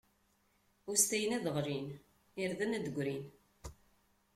Ustayen ad ɣlin, irden ad d-grin.